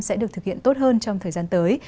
sẽ được thực hiện tốt hơn trong thời gian tới